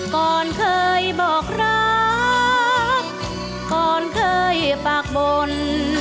ก่อนเคยบอกรักก่อนเคยปากบน